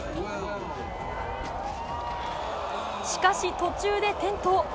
しかし、途中で転倒。